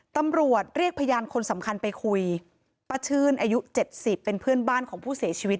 ตำรวจเรียกพยานคนสำคัญไปคุยป้าชื่นอายุเจ็ดสิบเป็นเพื่อนบ้านของผู้เสียชีวิต